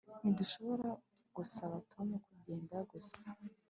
Ntidushobora gusaba Tom kugenda gusa